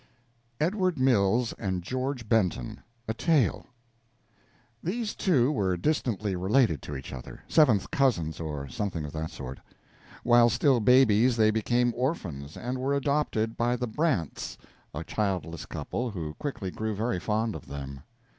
EDWARD MILLS AND GEORGE BENTON: A TALE These two were distantly related to each other seventh cousins, or something of that sort. While still babies they became orphans, and were adopted by the Brants, a childless couple, who quickly grew very fond of them.